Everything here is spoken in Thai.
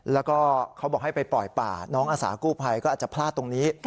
แล้วก็เขาบอกให้ไปปล่อยป่าน้องอาสากู้ภัยก็อาจจะพลาดตรงนี้